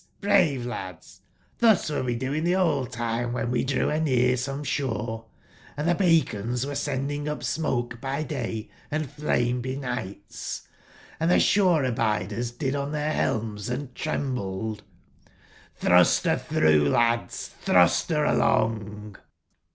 brave ladsf "Cbus would we do in tbe old time wben we drew anear some sbore, and tbe beacons were sending up smoke by day, and flame benigbts; <& tbe sbore/abiders did on tbcir bclms and trembledXbrust bertbrougb, lads t Xlbrustbcr along!